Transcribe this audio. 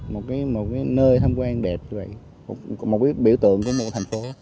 một cái nơi tham quan đẹp rồi một cái biểu tượng của một thành phố